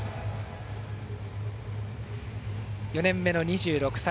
４年目の２６歳。